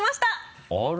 あら！